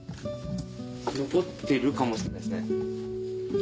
残ってるかもしれないですね。